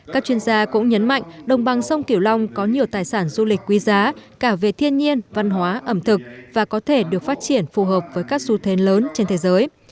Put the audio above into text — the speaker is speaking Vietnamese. các chuyên gia cũng nhấn mạnh đồng bằng sông kiểu long có nhiều tài sản du lịch quý giá cả về thiên nhiên văn hóa ẩm thực và có thể được phát triển phù hợp với các xu thế lớn trên thế giới